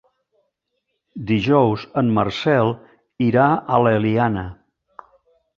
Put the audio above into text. Dijous en Marcel irà a l'Eliana.